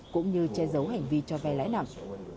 đưa che giấu hành vi cho vay lãi nặng